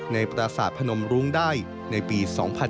ในปราศาสตร์พนมรุงได้ในปี๒๕๓๑